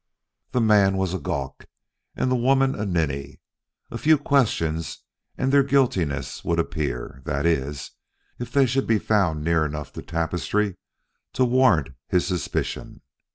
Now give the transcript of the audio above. The man was a gawk and the woman a ninny; a few questions and their guiltiness would appear that is, if they should be found near enough the tapestry to warrant his suspicion.